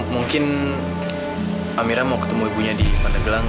mungkin amirah mau ketemu ibunya di pendeglang